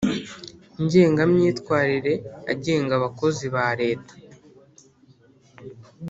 ngengamyitwarire agenga abakozi ba Leta